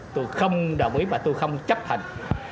tôi không đồng ý mà tôi không chấp hành